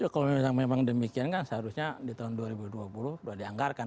kalau memang demikian kan seharusnya di tahun dua ribu dua puluh sudah dianggarkan